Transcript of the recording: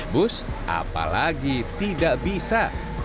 bus apalagi tidak bisa